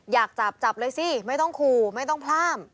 อยากจับจับเลยสิไม่ต้องขู่ไม่ต้องพล่าม